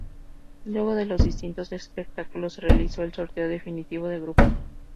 Luego de los distintos espectáculos se realizó el sorteo definitivo de grupos.